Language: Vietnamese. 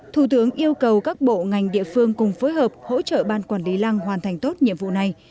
thủ tướng yêu cầu các bộ ngành địa phương cùng phối hợp hỗ trợ ban quản lý lăng hoàn thành tốt nhiệm vụ này